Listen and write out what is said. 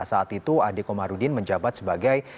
saat itu ade komarudin menjabat sebagai